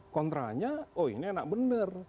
kontranya oh ini enak bener